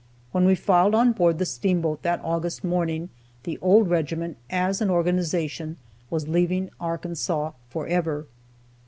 When we filed on board the steamboat that August morning, the old regiment, as an organization, was leaving Arkansas forever.